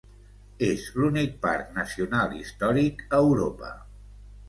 És l'únic parc nacional històric a Europa.